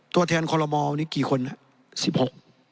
ตัวแทนคอลโลมอนี่กี่คนน่ะ๑๖